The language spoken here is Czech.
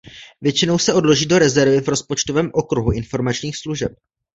Většinou se odloží do rezervy v rozpočtovém okruhu informačních služeb.